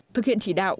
thực hiện chỉ đạo